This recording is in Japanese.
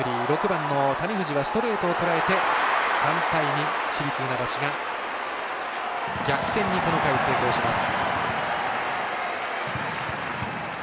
６番の谷藤がストレートをとらえて３対２、市立船橋が逆転にこの回、成功します。